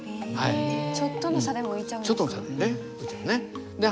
ちょっとの差でも浮いちゃうんですね。